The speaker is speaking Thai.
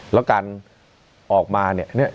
แล้วการออกมาเนี่ย